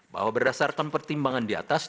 bahwa berdasarkan pertimbangan di atas